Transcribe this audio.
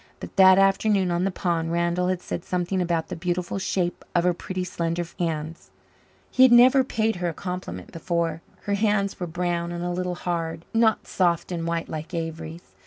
But that afternoon on the pond Randall had said something about the beautiful shape of her pretty slender hands. He had never paid her a compliment before. Her hands were brown and a little hard not soft and white like Avery's.